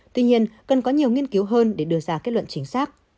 tuy nhiên cần có nhiều nghiên cứu hơn để đưa ra kết luận chính xác